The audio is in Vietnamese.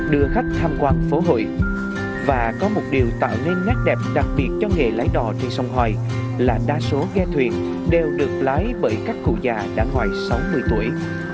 đưa khách tham quan phố hội và có một điều tạo nên nét đẹp đặc biệt cho nghề lái đò trên sông hoài là đa số ghe thuyền đều được lái bởi các cụ già đã ngoài sáu mươi tuổi